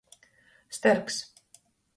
Sterks.